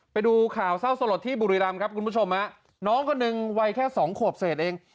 ไปดูข่าวเศร้าสลดที่บุรีรำครับคุณผู้ชมฮะน้องคนหนึ่งวัยแค่สองขวบเศษเอง